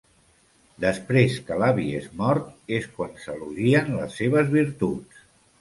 Després que l'avi és mort és quan s'elogien les seves virtuts.